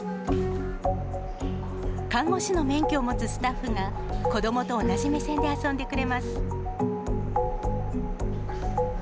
看護師の免許を持つスタッフが、子どもと同じ目線で遊んでくれます。